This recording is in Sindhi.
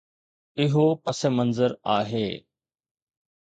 اهو پس منظر آهي.